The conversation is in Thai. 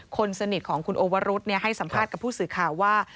คนสนิทของคุณโอวรุษให้สัมภาษณ์กับผู้สื่อข่าวว่า